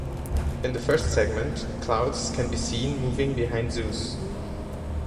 In the first segment, clouds can be seen moving behind Zeus.